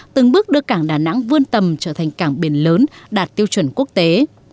từng bước đưa cảng đà nẵng vươn tầm trở thành cảng biển lớn đạt tiêu chuẩn quốc tế